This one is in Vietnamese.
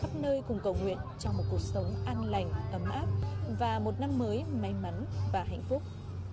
tất cả các nơi cùng cầu nguyện cho một cuộc sống an lành ấm áp và một năm mới may mắn và hạnh phúc